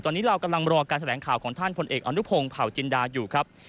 ตอนนี้เรากำลังรอการแถลงข่าวของท่านพลเอกอนุพงศ์เผาจินดาอยู่ครับ